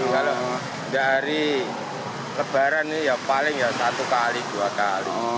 kalau dari lebaran ini ya paling ya satu kali dua kali